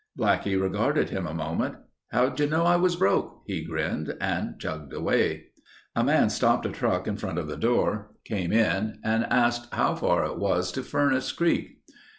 Blackie regarded him a moment. "How'd you know I was broke?" he grinned, and chugged away. A man stopped a truck in front of the door, came in and asked how far it was to Furnace Creek.